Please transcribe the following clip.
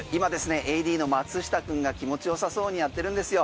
ＡＤの松下くんが気持ちよさそうにやってるんですよ。